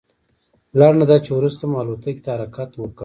لنډه دا چې وروسته مو الوتکې ته حرکت وکړ.